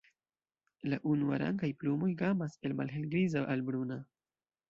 La unuarangaj plumoj gamas el malhelgriza al bruna.